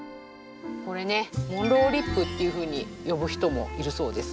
これねモンローリップっていうふうに呼ぶ人もいるそうです。